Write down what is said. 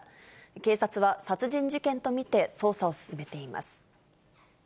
警察は、殺人事件と見て捜査を進めています。